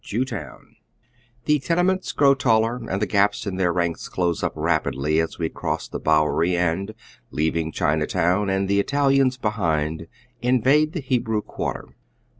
oy Google THE tenements grow taller, and the gap3 in their ranks close up rapidly as we cross the Bowery and, leaving Chinatown and the Italians behind, invade the Hebrew quarter.